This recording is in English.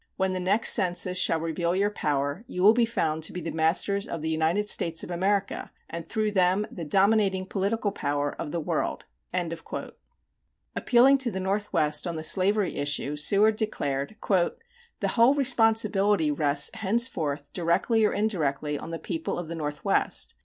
When the next census shall reveal your power, you will be found to be the masters of the United States of America, and through them the dominating political power of the world. Appealing to the Northwest on the slavery issue Seward declared: The whole responsibility rests henceforth directly or indirectly on the people of the Northwest.